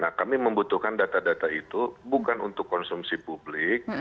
nah kami membutuhkan data data itu bukan untuk konsumsi publik